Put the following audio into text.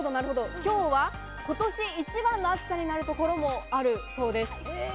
今日は今年一番の暑さになるところもあるそうです。